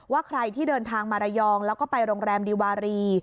ว่าใครที่เดินทางมาระยองแล้วก็ไปโรงแรมดีวารี